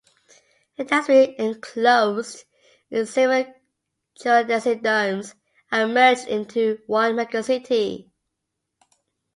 It has been enclosed in several geodesic domes and merged into one megacity.